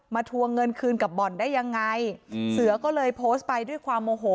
ทวงเงินคืนกับบ่อนได้ยังไงอืมเสือก็เลยโพสต์ไปด้วยความโมโห